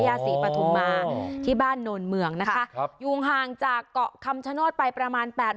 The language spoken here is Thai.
ย่าศรีปฐุมมาที่บ้านโนนเมืองนะคะครับอยู่ห่างจากเกาะคำชโนธไปประมาณแปด